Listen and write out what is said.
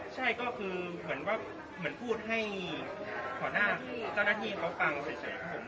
ใช่ก็คือเหมือนว่าพูดให้ขอร้านเจ้าหน้าที่เข้าฟังสัก